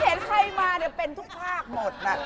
ฉันเห็นใครมาเป็นทุกภาพหมดนะ